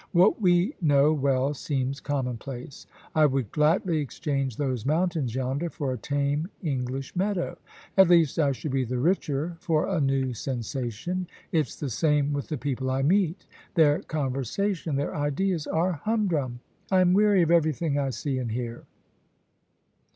What we know well seems commonplace. I would gladly exchange those mountains yonder for a tame English meadow. At least I should be the richer for a new sensation. It's the same with the people I meet; their conversation, their ideas, are hum drum. I am weary of everything I see and hear.